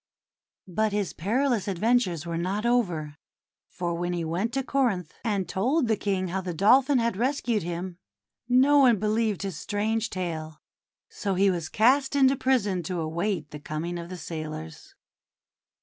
But his perilous adventures were not over, for when he went to Corinth and told the King how the Dolphin had rescued him, no one believed his strange tale. So he was cast into prison to await the coming of the sailors.